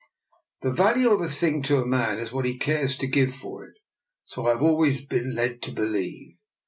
The value of a thing to a man is what he cares to give for it, so I have always been led to believe."